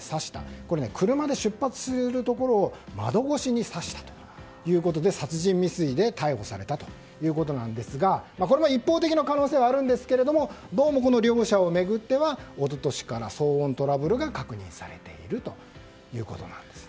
これ、車で出発するところを窓越しに刺したということで殺人未遂で逮捕されたということなんですがこれも一方的な可能性はあるんですがどうもこの両者を巡っては一昨年から騒音トラブルが確認されているということなんです。